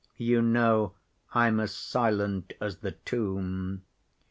You know I'm as silent as the tomb.